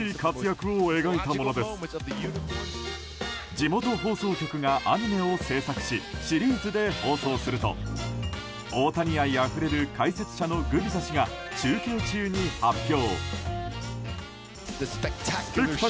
地元放送局がアニメを制作しシリーズで放送すると大谷愛あふれる解説者のグビザ氏が中継中に発表。